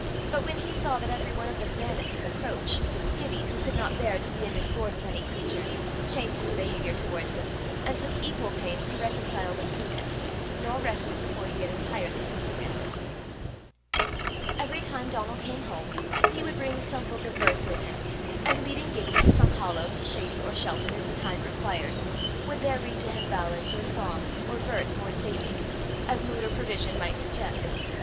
But when he saw that every one of them ran at his approach, Gibbie, who could not bear to be in discord with any creature, changed his behaviour towards them, and took equal pains to reconcile them to him nor rested before he had entirely succeeded. Every time Donal came home, he would bring some book of verse with him, and, leading Gibbie to some hollow, shady or sheltered as the time required, would there read to him ballads, or songs, or verse more stately, as mood or provision might suggest.